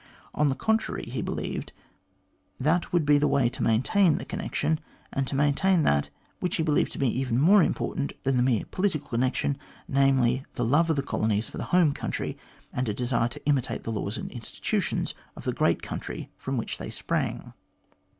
On the contrary, he believed that would be the way to maintain the connection, and to maintain that which he believed to be even more important than the mere political connection, namely, the love of the colonies for the home country and a desire to imitate the laws and institutions of the great country from which they sprang.